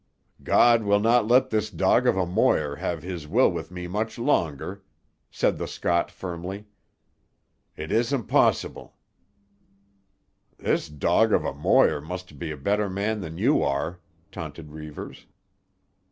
"God willna let this dog of a Moir have his will with me much longer," said the Scot firmly. "It isna posseeble." "'This dog of a Moir' must be a better man than you are," taunted Reivers.